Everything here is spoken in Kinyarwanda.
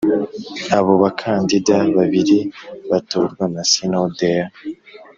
Abo bakandida babiri batorwa na sinode ya